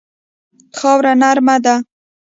خاوره نرمه ده.